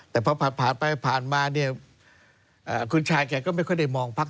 แต่พอผ่านมาคุณชายแกก็ไม่ค่อยได้มองภักดิ์